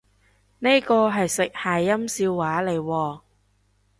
呢個係食諧音笑話嚟喎？